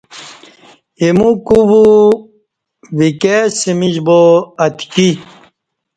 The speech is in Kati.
ایمو کو وِکیئ سمیش با اتکی۔